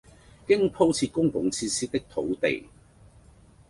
經敷設公用設施的土地